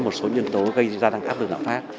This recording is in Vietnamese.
một số nhân tố gây ra tăng áp lực lạm phát